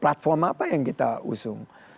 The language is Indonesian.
platform apa yang kita usung